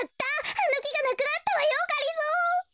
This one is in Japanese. あのきがなくなったわよがりぞー。